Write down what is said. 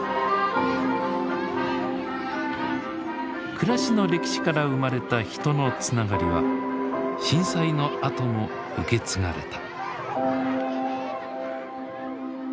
暮らしの歴史から生まれた人のつながりは震災のあとも受け継がれた。